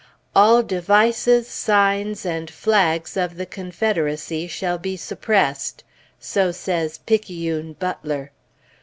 "All devices, signs, and flags of the Confederacy shall be suppressed." So says Picayune Butler.